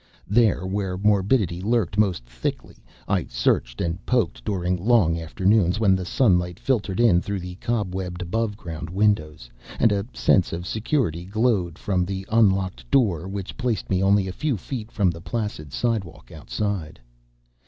There, where morbidity lurked most thickly, I searched and poked during long afternoons when the sunlight filtered in through the cobwebbed above ground windows, and a sense of security glowed from the unlocked door which placed me only a few feet from the placid sidewalk outside.